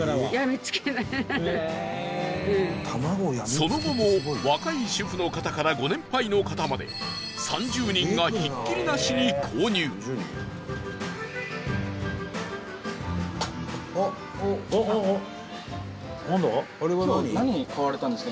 その後も、若い主婦の方からご年配の方まで３０人が、ひっきりなしに購入スタッフ：今日何買われたんですか？